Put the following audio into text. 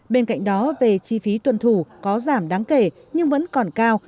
bên cạnh đó về chi phí tuân thủ có giảm đáng kể nhưng vẫn còn cao